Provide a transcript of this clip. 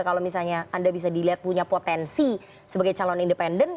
kalau misalnya anda bisa dilihat punya potensi sebagai calon independen